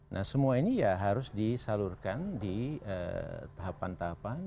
nah semua ini ya harus disalurkan di tahapan tahapan